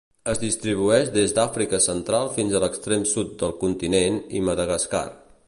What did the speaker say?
Es distribueix des d'Àfrica Central fins a l'extrem sud del continent i Madagascar.